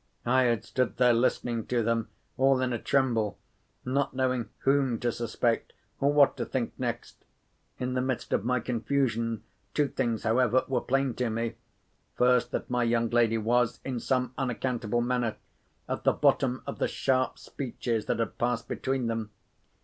I had stood there listening to them, all in a tremble; not knowing whom to suspect, or what to think next. In the midst of my confusion, two things, however, were plain to me. First, that my young lady was, in some unaccountable manner, at the bottom of the sharp speeches that had passed between them.